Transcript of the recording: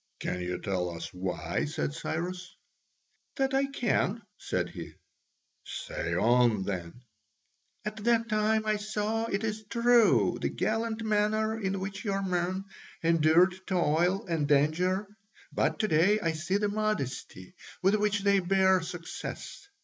"Can you tell us why?" said Cyrus. "That I can," said he. "Say on, then." "At that time, I saw, it is true, the gallant manner in which your men endured toil and danger, but to day I see the modesty with which they bear success.